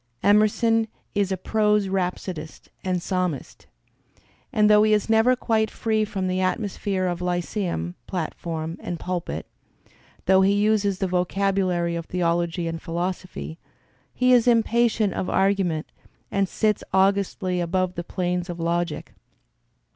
Emerson is a prose rhapsodist and psalmist; and though he is never quite free from the atmosphere of lyceum platform and pulpit, though he uses the vocabulary of theol ogy and philosophy, he is impatient of argument and sits augustly above the planes of logic.